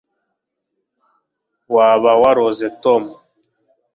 waba waroze tom